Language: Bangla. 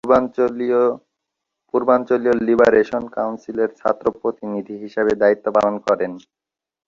পূর্বাঞ্চলীয় লিবারেশন কাউন্সিলের ছাত্র প্রতিনিধি হিসাবে দায়িত্ব পালন করেন।